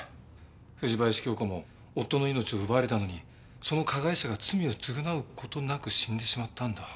藤林経子も夫の命を奪われたのにその加害者が罪を償う事なく死んでしまったんだ。